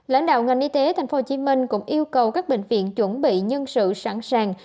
lãnh đạo ngành y tế tp hcm cũng yêu cầu các bệnh viện chuẩn bị nhân sự sẵn sàng